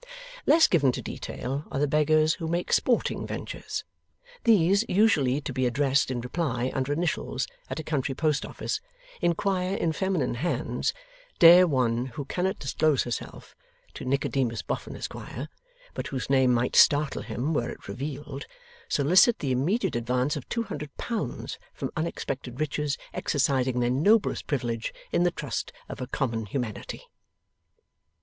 Less given to detail are the beggars who make sporting ventures. These, usually to be addressed in reply under initials at a country post office, inquire in feminine hands, Dare one who cannot disclose herself to Nicodemus Boffin, Esquire, but whose name might startle him were it revealed, solicit the immediate advance of two hundred pounds from unexpected riches exercising their noblest privilege in the trust of a common humanity?